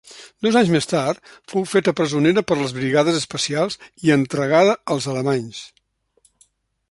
Dos anys més tard fou feta presonera per les brigades especials i entregada als alemanys.